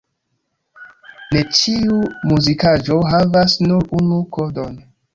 Ne ĉiu muzikaĵo havas nur unu kodon.